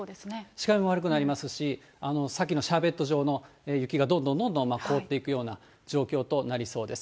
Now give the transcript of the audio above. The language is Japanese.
視界も悪くなりますし、さっきのシャーベット状の雪がどんどんどんどん凍っていくような状況となりそうです。